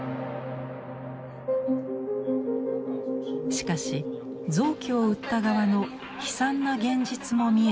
しかし臓器を売った側の悲惨な現実も見えてきました。